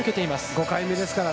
５回目ですから。